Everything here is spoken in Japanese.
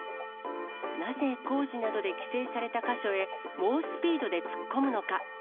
なぜ工事などで規制された箇所へ、猛スピードで突っ込むのか。